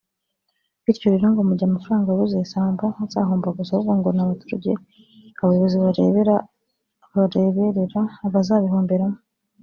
bityo rero ngo mu gihe amafaranga abuze si amabanki azahomba gusa ahubwo ngo n’abaturage abayobozi bareberera bazabihomberamo